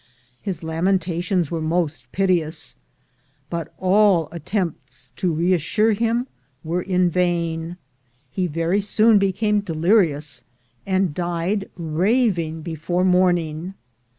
His lamentations were most piteous, but all attempts to reassure him were in vain. He ver}' soon became delirious, and died raving before morning.